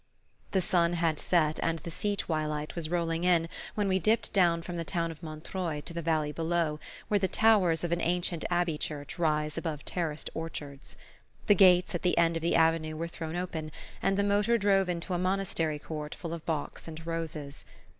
The sun had set and the sea twilight was rolling in when we dipped down from the town of Montreuil to the valley below, where the towers of an ancient abbey church rise above terraced orchards. The gates at the end of the avenue were thrown open, and the motor drove into a monastery court full of box and roses.